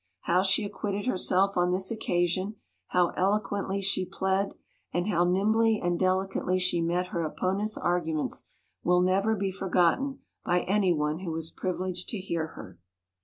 How she acquitted herself on this occasion, how eloquently she plead, and how nimbly and delicately she met her oppo nents' arguments, will never be forgotten by any one who was privileged to hear her.